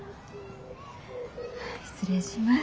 失礼します。